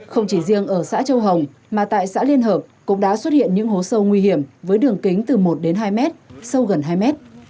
không chỉ riêng ở xã châu hồng mà tại xã liên hợp cũng đã xuất hiện những hố sâu nguy hiểm với đường kính từ một đến hai mét sâu gần hai mét